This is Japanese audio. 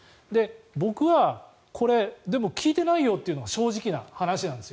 僕はこれ、でも聞いていないよというのが正直な話なんですよ。